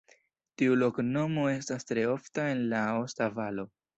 Tiu loknomo estas tre ofta en la Aosta Valo.